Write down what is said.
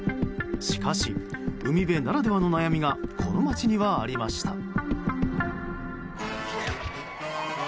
しかし、海辺ならではの悩みがこの街にはありました。